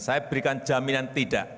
saya berikan jaminan tidak